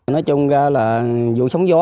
nói chung là dù sống gió